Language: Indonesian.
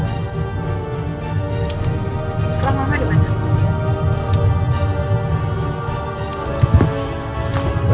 kalo mama dimana